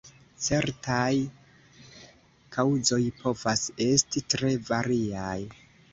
Certaj kaŭzoj povas esti tre variaj.